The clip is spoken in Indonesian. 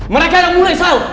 mereka yang mulai tau